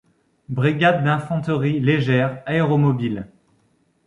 Brigade d'infanterie légère aéromobile nr.